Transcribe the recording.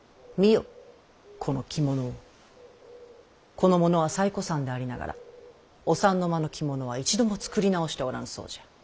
この者は最古参でありながらお三の間の着物は一度も作り直しておらぬそうじゃ。